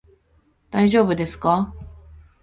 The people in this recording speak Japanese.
大丈夫ですか？